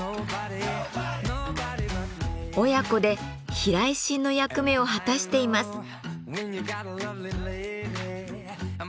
親子で避雷針の役目を果たしています。